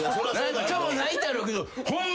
何ともないだろうけどホンマ